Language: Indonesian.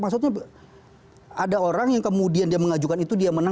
maksudnya ada orang yang kemudian dia mengajukan itu dia menang